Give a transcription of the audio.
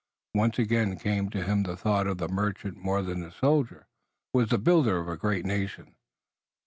Once again came to him the thought that the merchant more than the soldier was the builder of a great nation.